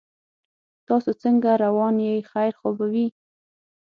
تاسو څنګه روان یې خیر خو به وي